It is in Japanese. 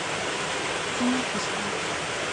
朝マックしたい。